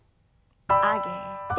上げて。